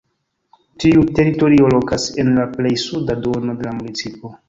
Tiu teritorio lokas en la plej suda duono de la municipo.